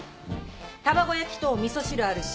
卵焼きと味噌汁あるし。